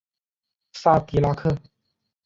萨迪拉克。